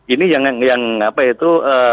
ini yang apa itu